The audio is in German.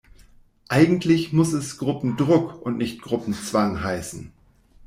Eigentlich muss es Gruppendruck und nicht Gruppenzwang heißen.